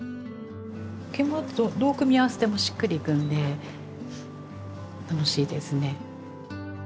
着物だとどう組み合わせてもしっくりいくので楽しいですね。